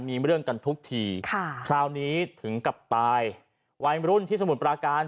มีเรื่องกันทุกทีค่ะคราวนี้ถึงกับตายวัยรุ่นที่สมุทรปราการ